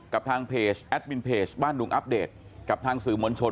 ทางเพจแอดมินเพจบ้านดุงอัปเดตกับทางสื่อมวลชน